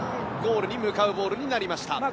ゴールに向かうボールになりました。